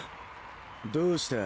どうした？